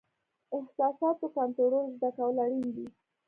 احساساتو کنټرول زده کول اړین دي.